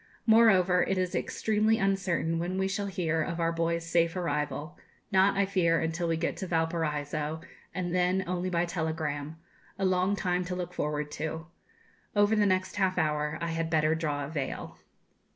Moreover, it is extremely uncertain when we shall hear of our boy's safe arrival; not, I fear, until we get to Valparaiso, and then only by telegram a long time to look forward to. Over the next half hour I had better draw a veil.